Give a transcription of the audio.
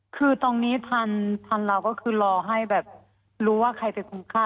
คือตรงนี้ทันเราก็คือรอให้แบบรู้ว่าใครเป็นคนฆ่า